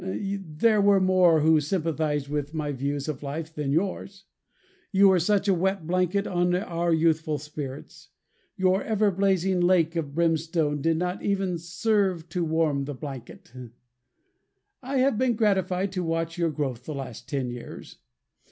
There were more who sympathized with my views of life than with yours. You were such a wet blanket on our youthful spirits. Your ever blazing lake of brimstone did not even serve to warm the blanket. I have been gratified to watch your growth the last ten years.